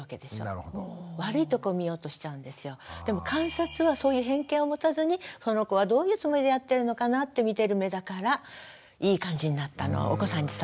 でも観察はそういう偏見を持たずにこの子はどういうつもりでやってるのかなってみてる目だからいい感じになったのお子さんに伝わったんだと思いますよ。